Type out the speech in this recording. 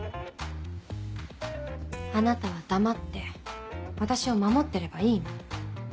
あなたは黙って私を守ってればいいの。